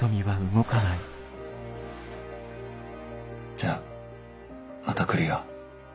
じゃあまた来るよ。